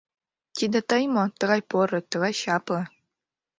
- тиде тый мо, тыгай поро, тыгай чапле...